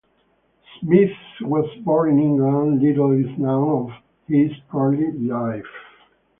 Smith was born in England, little is known of his early life.